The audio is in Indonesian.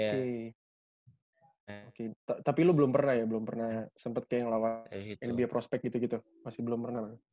oke tapi lu belum pernah ya belum pernah sempet kayak ngelawan nba prospek gitu gitu masih belum pernah